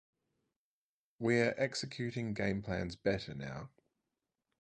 We're executing game plans better now.